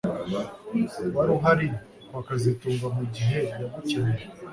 Wari uhari kwa kazitunga mugihe yagukeneye